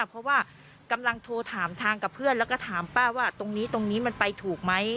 เพราะว่ากำลังโทรถามทางกับเพื่อนแล้วก็ถามป้าว่าตรงนี้ตรงนี้มันไปถูกไหม